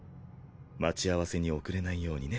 待ち合わせに遅れないようにね。